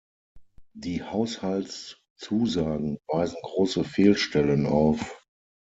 Die Haushaltszusagen weisen große Fehlstellen auf.